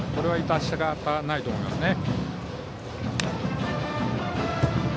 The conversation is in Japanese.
致し方ないと思いますね。